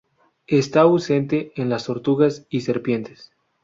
Está ausente en las tortugas y serpientes.